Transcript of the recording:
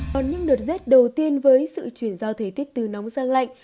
còn những đợt rét đầu tiên với sự chuyển giao thời tiết từ nóng sang lạnh